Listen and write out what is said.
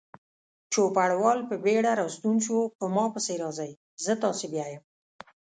چوپړوال په بیړه راستون شو: په ما پسې راځئ، زه تاسې بیایم.